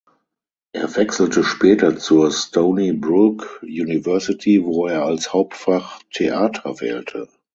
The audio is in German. Er wechselte später zur Stony Brook University wo er als Hauptfach Theater wählte.